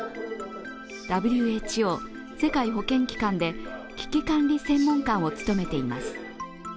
ＷＨＯ＝世界保健機関で危機管理専門官を務めています。